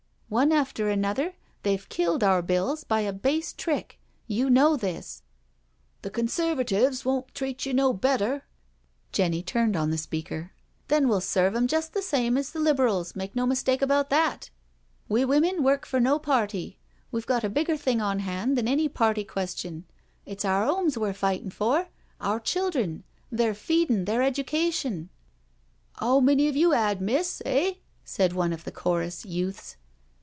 One after another they've killed our Bills by a base trick— you know this." " The Conservatives won't treat you no better," 134 NO SURRENDER Jenny turned on the speaker: *' Then we'll serve them just the same way as the Liberals — ^make no mistake about that. We women work for.no party, we've got a bigger thing on hand than any party question. It's our homes we're fighting for — our children — their feedin*, their education "" 'Ow many 'ave you 'ad, miss, eh?" said one of the chorus youths.